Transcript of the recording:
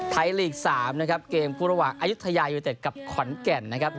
ไทยลีก๓นะครับเกมคู่ระหว่างอายุทยายูเต็ดกับขอนแก่นนะครับ